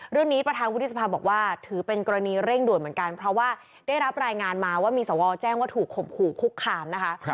เรื่องนี้ประธานวุฒิสภาบอกว่าถือเป็นกรณีเร่งด่วนเหมือนกันเพราะว่าได้รับรายงานมาว่ามีสวแจ้งว่าถูกข่มขู่คุกคามนะคะ